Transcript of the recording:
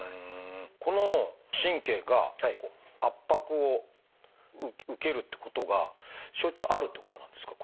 この神経が圧迫を受けるってことがしょっちゅうあるってことなんですか？